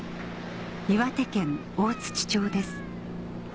岩手県大町です